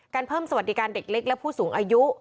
เพิ่มสวัสดิการเด็กเล็กและผู้สูงอายุ